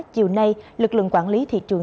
chiều nay lực lượng quản lý thị trường